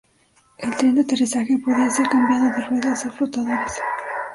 El tren de aterrizaje podía ser cambiado de ruedas a flotadores.